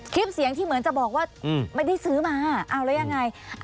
คลิปเสียงที่เหมือนจะบอกว่าไม่ได้ซื้อมาเอาแล้วยังไง